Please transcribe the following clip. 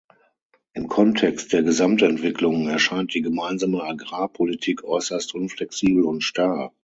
Im Kontext der Gesamtentwicklung erscheint die Gemeinsame Agrarpolitik äußerst unflexibel und starr.